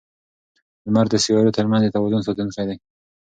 لمر د سیارو ترمنځ د توازن ساتونکی دی.